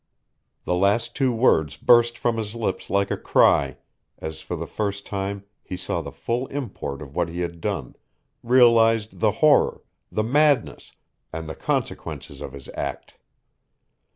The last two words burst from his lips like a cry, as for the first time he saw the full import of what he had done, realized the horror, the madness, and the consequences of his act.